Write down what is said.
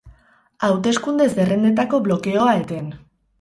Hauteskunde zerrendetako blokeoa eten.